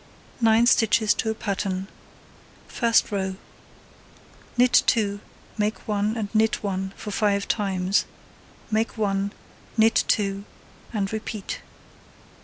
Nine stitches to a pattern. First row: Knit 2, (make 1 and knit 1 for five times,) make 1, knit 2, and repeat.